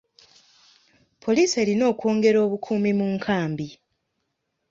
Poliisi erina okwongera obukuumi mu nkambi.